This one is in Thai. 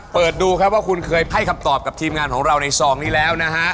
เปิดดูครับว่าคุณเคยให้คำตอบกับทีมงานของเราในซองนี้แล้วนะฮะ